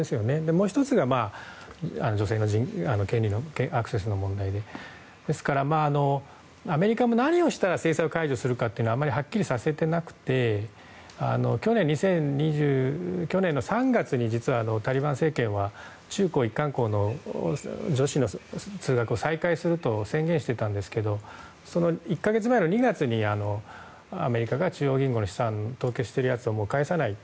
もう１つが、女性の人権の問題でですからアメリカも何をしたら制裁解除するかあまりはっきりさせていなくて去年３月に実はタリバン政権は中高一貫校の女子の通学を許可すると宣言していたんですがその１か月前の２月にアメリカが中央銀行の資産凍結しているやつを返さない。